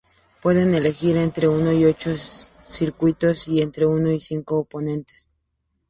Pueden elegir entre uno y ocho circuitos y entre uno y cinco oponentes.